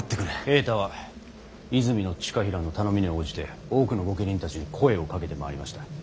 平太は泉親衡の頼みに応じて多くの御家人たちに声をかけて回りました。